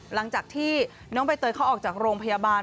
หลังจากที่น้องใบเตยเขาออกจากโรงพยาบาล